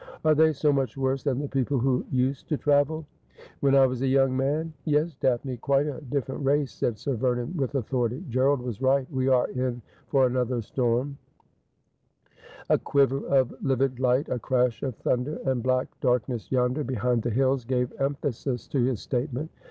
'Are they so much worse than the people who used to travel '' When I was a young man ? Yes, Daphne, quite a differ ent race,' said Sir Vernon with authority. ' Gerald was right. We are in for another storm.' 'Forbid a Love and it is ten Times so wode.' 289 A quiver of livid light, a crash of thunder, and black dark ness yonder behind the hills gave emphasis to his statement.